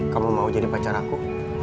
kamu mau jadi pacar aku